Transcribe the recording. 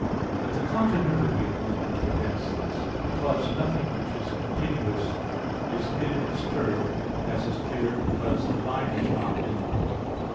But the continuity of movement prevents this; because nothing which is continuous is in its term, as is clear, because the line is not in the point.